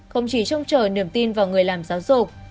không chỉ trông chờ niềm tin vào người làm giáo dục